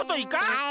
はい。